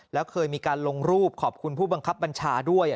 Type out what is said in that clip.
แล้วเคยมีการลงรูปขอบคุณผู้บังคับบัญชาด้วย